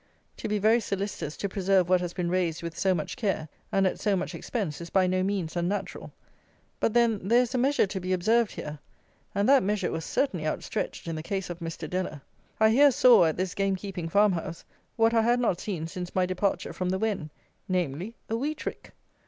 To be very solicitous to preserve what has been raised with so much care and at so much expense is by no means unnatural; but, then, there is a measure to be observed here; and that measure was certainly outstretched in the case of Mr. Deller. I here saw, at this gamekeeping farmhouse, what I had not seen since my departure from the Wen; namely, a wheat rick!